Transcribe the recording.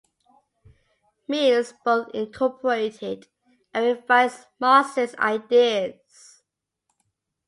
Mills both incorporated and revised Marxist ideas.